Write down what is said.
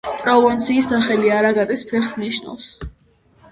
პროვინციის სახელი „არაგაწის ფეხს“ ნიშნავს.